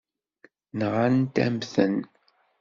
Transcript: Nɣant-am-ten.